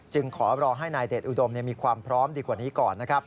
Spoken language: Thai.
จึงขอรอให้นายเดชอุดมมีความพร้อมดีกว่านี้ก่อน